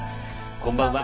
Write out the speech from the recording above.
こんばんは。